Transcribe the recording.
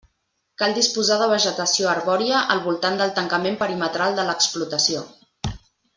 Cal disposar de vegetació arbòria al voltant del tancament perimetral de l'explotació.